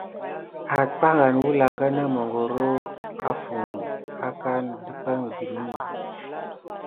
Apànha hofŋu wulanga na mangoro aka de békiguni.